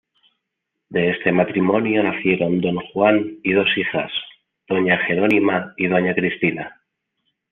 De este matrimonio nacieron don Juan y dos hijas, doña Jerónima y doña Cristina.